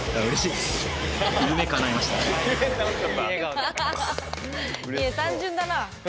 いや単純だな。